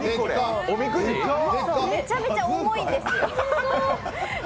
めちゃめちゃ重いんです。